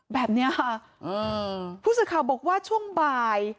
แบบนี้ค่ะผู้สื่อข่าวบอกว่าช่วงบ่าย